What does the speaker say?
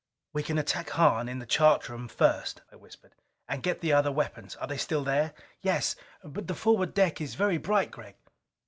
"We can attack Hahn in the chart room first," I whispered. "And get the other weapons. Are they still there?" "Yes. But the forward deck is very bright, Gregg."